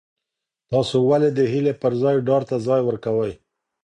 تاسي ولي د هیلې پر ځای ډار ته ځای ورکوئ؟